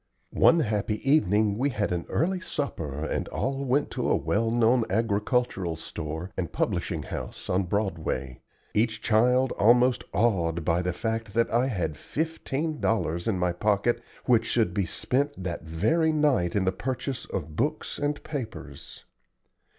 One happy evening we had an early supper and all went to a well known agricultural store and publishing house on Broadway, each child almost awed by the fact that I had fifteen dollars in my pocket which should be spent that very night in the purchase of books and papers.